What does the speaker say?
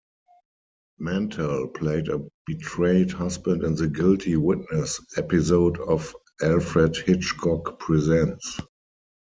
Mantell played a betrayed husband in the "Guilty Witness" episode of "Alfred Hitchcock Presents".